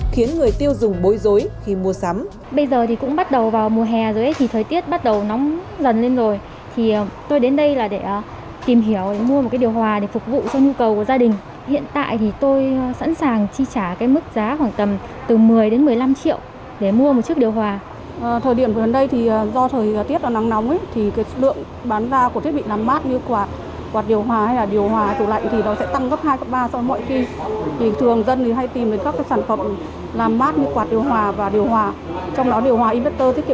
khiến người tiêu dùng bối rối khi mua sắm